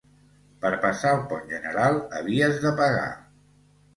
Per passar el pont general, havies de pagar.